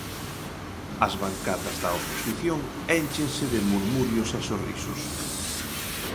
As bancadas da oposición énchense de murmurios e sorrisos.